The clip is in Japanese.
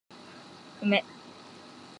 梅